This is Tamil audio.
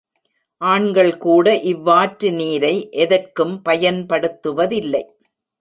ஆண்கள்கூட இவ்வாற்று நீரை எதற்கும் பயன்படுத்துவதில்லை.